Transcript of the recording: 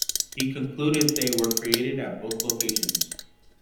He concluded they were created at both locations.